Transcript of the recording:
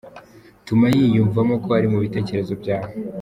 Tuma yiyumvamo ko ari mu bitekerezo byawe.